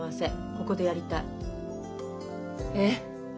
ここでやりたい。え！？